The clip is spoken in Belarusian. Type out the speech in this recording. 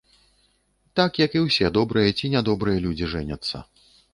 Так, як і ўсе добрыя ці нядобрыя людзі жэняцца.